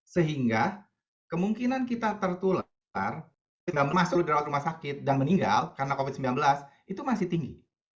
sehingga kemungkinan kita tertular masuk dirawat rumah sakit dan meninggal karena covid sembilan belas itu masih tinggi